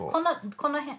この辺。